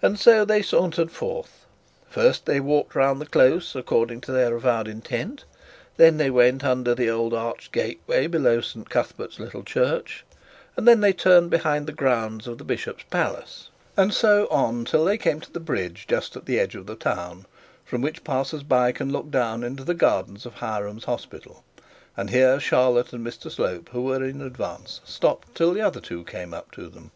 And so they sauntered forth: first they walked round the close, according to their avowed intent; then they went under the old arched gateway below St Cuthbert's little church, and then they turned behind the grounds of the bishop's palace, and so on till they came to the bridge just at the edge of the town, from which passers by can look down into the gardens of Hiram's hospital; and her Charlotte and Mr Slope, who were in advance, stopped till the other two came up to them.